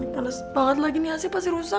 panas banget lagi nih hasil pasti rusak